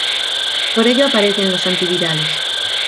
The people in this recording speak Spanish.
Por ello aparecen los antivirales.